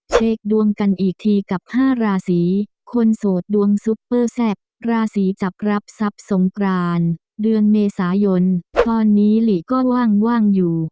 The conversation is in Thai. เช็คดวงกันอีกทีกับ๕ราศีคนโสดดวงซุปเปอร์แซ่บราศีจับรับทรัพย์สงกรานเดือนเมษายนตอนนี้หลีก็ว่างอยู่